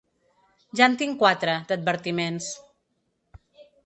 Ja en tinc quatre, d’advertiments.